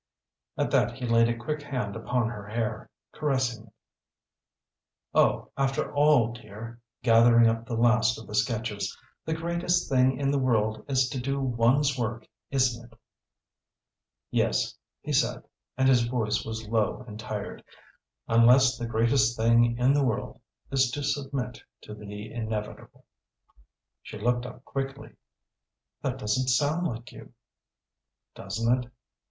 At that he laid a quick hand upon her hair, caressing it. "Oh, after all, dear," gathering up the last of the sketches "the greatest thing in the world is to do one's work isn't it?" "Yes," he said, and his voice was low and tired, "unless the greatest thing in the world is to submit to the inevitable." She looked up quickly. "That doesn't sound like you." "Doesn't it?